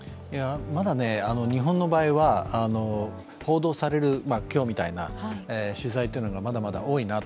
まだ日本の場合は報道される、今日みたいな取材がまだまだ多いなと。